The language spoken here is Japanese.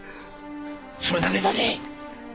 それだけじゃねえ。